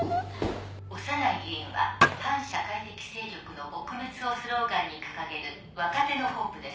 「小山内議員は反社会的勢力の撲滅をスローガンに掲げる若手のホープです」